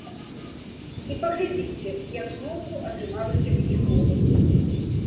І паглядзіце, як зноўку атрымалася вынікова.